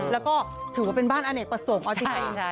แล้วก็ถือว่าเป็นบ้านอ่ะเนี่ยประสงค์ออธิษฐา